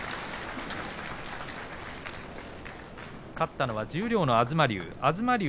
勝ったのは十両の東龍。